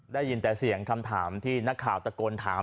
ได้ยินแต่เสียงคำถามที่นักข่าวตะโกนถาม